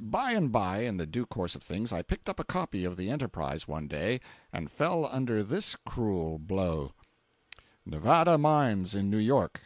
By and by, in the due course of things, I picked up a copy of the Enterprise one day, and fell under this cruel blow: NEVADA MINES IN NEW YORK.